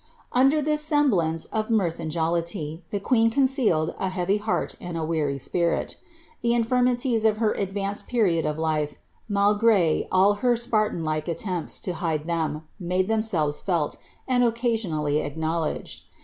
"' Under all this semblance of mirth and jollity, the queen concealed » heavy heart and a weary spirit. The infirmities of her advanced period of life, malgre all her Spartan like attempts to hide them, made iheoi selves felt, and occasionally acknowledged.